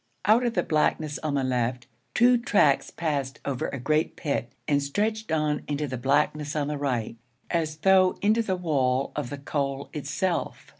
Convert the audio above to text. Out of the blackness on the left, two tracks passed over a great pit and stretched on into the blackness on the right, as though into the wall of the coal itself.